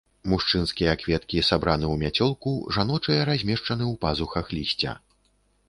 Мужчынскія кветкі сабраны ў мяцёлку, жаночыя размешчаны ў пазухах лісця.